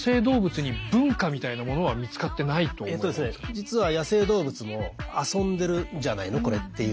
実は野生動物も遊んでるんじゃないのこれっていう。